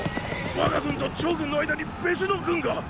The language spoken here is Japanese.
我が軍と趙軍の間に別の軍がっ！